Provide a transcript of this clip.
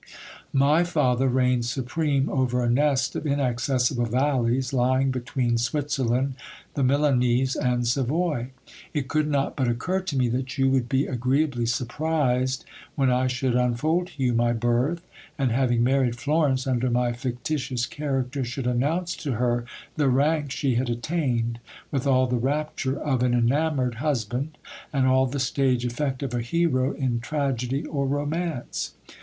My father reigns supreme over a nest of inaccessible valleys, lying be tween Switzerland, the Milanese, and Savoy. It could not but occur to me that you would be agreeably surprised when I should unfold to ycu my birth, and having married Florence under my fictitious character, should announce to her the rank she had attained, with all the rapture of an enamoured husband, and all the stage effect of a hero in tragedy or romance.